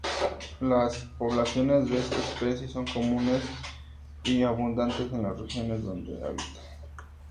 Las poblaciones de esta especie son comunes y abundantes en las regiones donde habita.